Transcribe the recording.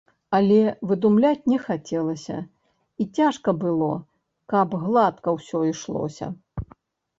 Але выдумляць не хацелася, і цяжка было, каб гладка ўсё ішлося.